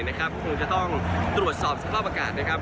นึกว่าจะต้องตรวจสอบศักดิ์ประกาศนะครับ